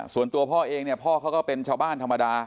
ส่วนตัวพ่อเองเนี่ยพ่อเขาก็เป็นชาวบ้านธรรมดา